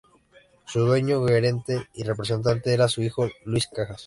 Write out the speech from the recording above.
Su dueño, gerente y representante era su hijo Luis Cajas.